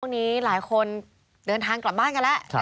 วันนี้หลายคนเดินทางกลับบ้านกันแล้ว